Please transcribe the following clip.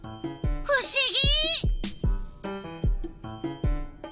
ふしぎ！